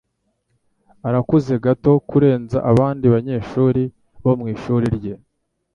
arakuze gato kurenza abandi banyeshuri bo mwishuri rye